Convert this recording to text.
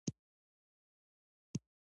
علامه حبیبي د نقد او نظریې وړتیا درلوده.